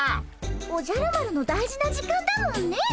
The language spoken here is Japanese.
おじゃる丸の大事な時間だもんね。